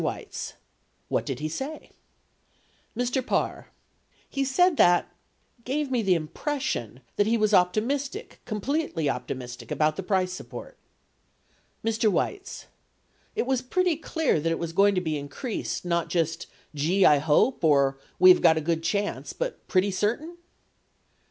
Weitz. What did he say ? Mr. Parr. He said that — gave me the impression that he was optimistic, completely optimistic about the price support. Mr. Weitz. It was pretty clear that it was going to be in creased, not just, "gee, I hope, or we have got a good chance," but pretty certain